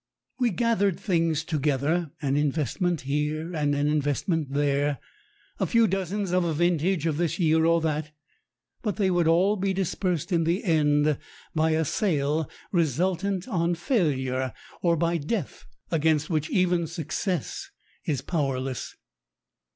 We gathered things together, an investment here and an investment there, a few dozens of a vintage of this year or that, but they would all be dispersed in the end by a sale resultant on failure, or by death, against which even success is powerless.